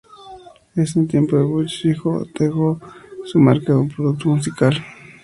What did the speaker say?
En ese tiempo Butch Vig dejo su marca como productor musical.